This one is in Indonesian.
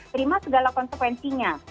terima segala konsekuensinya